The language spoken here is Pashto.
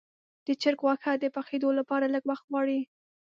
د چرګ غوښه د پخېدو لپاره لږ وخت غواړي.